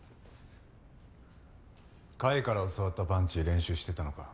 甲斐から教わったパンチ練習してたのか。